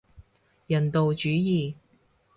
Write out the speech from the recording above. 人道主義